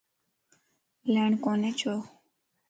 ليڻ ڪوني ڇو؟